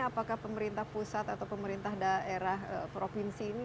apakah pemerintah pusat atau pemerintah daerah provinsi ini